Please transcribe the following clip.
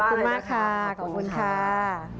ขอบคุณมากค่ะขอบคุณค่ะ